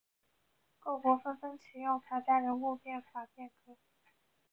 各国纷纷启用法家人物变法改革。